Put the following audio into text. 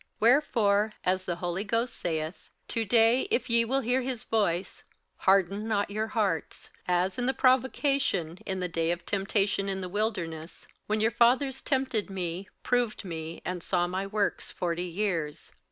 58:003:007 Wherefore (as the Holy Ghost saith, To day if ye will hear his voice, 58:003:008 Harden not your hearts, as in the provocation, in the day of temptation in the wilderness: 58:003:009 When your fathers tempted me, proved me, and saw my works forty years.